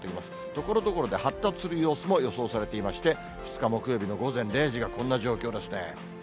ところどころで発達する様子も予想されていまして、２日木曜日の午前０時がこんな状況ですね。